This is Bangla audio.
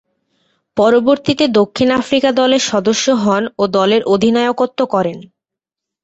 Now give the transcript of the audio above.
পরবর্তীতে দক্ষিণ আফ্রিকা দলের সদস্য হন ও দলের অধিনায়কত্ব করেন।